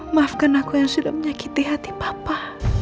maafkan aku yang sudah menyakiti hati bapak